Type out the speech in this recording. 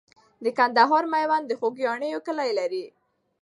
د کندهار میوند د خوګیاڼیو کلی لري.